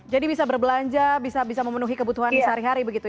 jadi bisa berbelanja bisa memenuhi kebutuhan sehari hari begitu ya